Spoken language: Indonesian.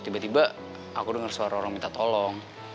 tiba tiba aku dengar suara orang minta tolong